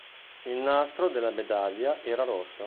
Il nastro della medaglia era rosso.